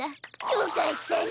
よかったね！